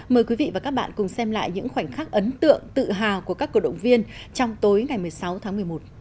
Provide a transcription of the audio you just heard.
mời quý vị và các bạn cùng xem lại những khoảnh khắc ấn tượng tự hào của các cổ động viên trong tối ngày một mươi sáu tháng một mươi một